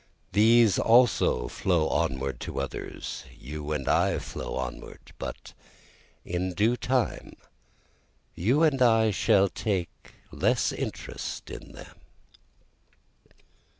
These also flow onward to others, you and I flow onward, But in due time you and I shall take less interest in them.